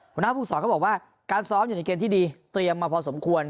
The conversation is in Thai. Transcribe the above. หัวหน้าภูมิสอนเขาบอกว่าการซ้อมอยู่ในเกณฑ์ที่ดีเตรียมมาพอสมควร